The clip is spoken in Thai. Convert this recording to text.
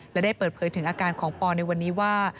และได้เปิดเผยถึงอาการของปอในวันนี้ว่า